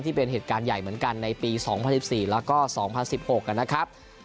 ที่เป็นเหตุการณ์ใหญ่เหมือนกันในปี๒๐๑๔และ๒๐๑๖